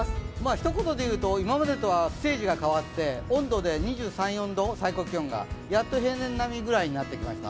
一言で言うと、今までとはステージが変わって、温度で２３２４度、やっと平年並みぐらいになってきました。